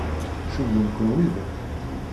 Cewwlen-kent widak?